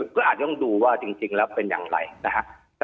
ก็อาจต้องดูว่าจริงแล้วเป็นอย่างไรนะฮะ